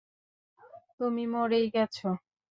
তুমি মরেই গেছো।